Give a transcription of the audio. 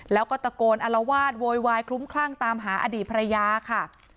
แล้วก็ตะโกนอลวาดโวยวายคลุ้มคลั่งตามหาอดีตภรรยาค่ะ